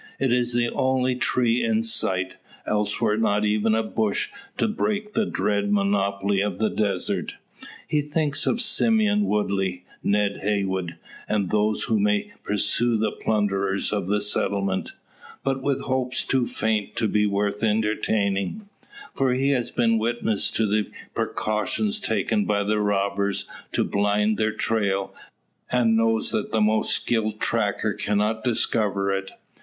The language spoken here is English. It is the only tree in sight; elsewhere not even a bush to break the drear monotony of the desert. He thinks of Simeon Woodley, Ned Heywood, and those who may pursue the plunderers of the settlement. But with hopes too faint to be worth entertaining. For he has been witness to the precautions taken by the robbers to blind their trail, and knows that the most skilled tracker cannot discover it.